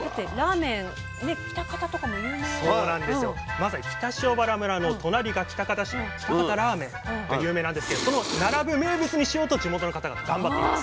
まさに北塩原村の隣が喜多方市喜多方ラーメンで有名なんですけど並ぶ名物にしようと地元の方が頑張っています。